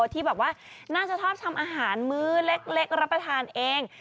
ที่แบบว่าน่าจะชอบทำอาหารมื้อเล็กรับประทานเอง